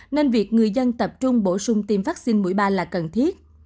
nên việc người dân tập trung bổ sung tiêm vaccine mũi ba là cần thiết